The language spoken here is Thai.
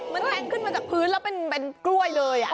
มันแทงขึ้นมาจากพื้นแล้วเป็นกล้วยเลย